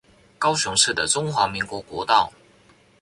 高雄市的中華民國國道